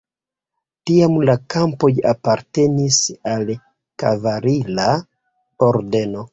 Tiam la kampoj apartenis al kavalira ordeno.